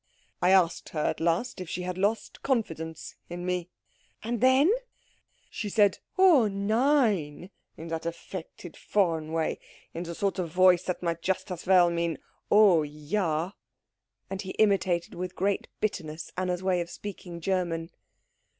"I asked her at last if she had lost confidence in me." "And then?" "She said oh nein, in her affected foreign way in the sort of voice that might just as well mean oh ja." And he imitated, with great bitterness, Anna's way of speaking German.